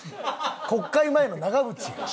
国会前の長渕やん。